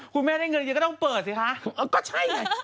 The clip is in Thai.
คุณแม่ได้เงินเยอะก็ต้องเปิดสิคะก็ใช่ไง